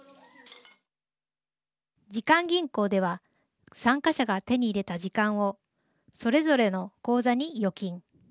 時間銀行では参加者が手に入れた時間をそれぞれの口座に預金。